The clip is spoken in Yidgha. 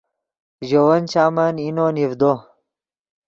ژے ون چامن اینو نیڤدو